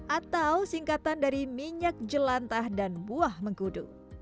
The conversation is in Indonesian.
atau singkatan dari minyak jelantah dan buah mengkudu